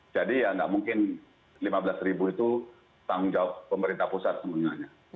jadi ya nggak mungkin lima belas itu tanggung jawab pemerintah pusat semuanya